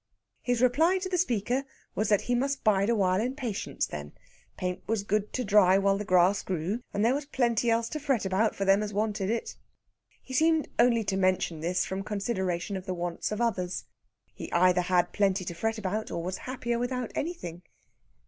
His reply to the speaker was that he must bide awhile in patience, then. Paint was good to dry while the grass grew, and there was plenty else to fret about for them as wanted it. He seemed only to mention this from consideration of the wants of others. He either had plenty to fret about, or was happier without anything.